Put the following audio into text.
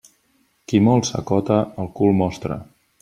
Qui molt s'acota, el cul mostra.